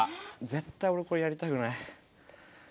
絶対俺これやりたくない。